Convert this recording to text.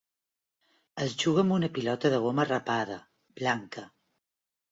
Es juga amb una pilota de goma rapada, blanca.